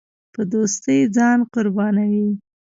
په دوستۍ ځان قربانوي.